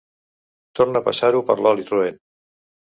Tornà a passar-ho per oli roent.